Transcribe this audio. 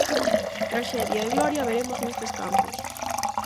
Traxedia e gloria veremos nestes campos.